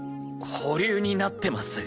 保留になってます。